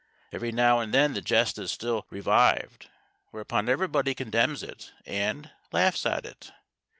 Every now and then the jest is still revived, whereupon everybody condemns it and laughs at it.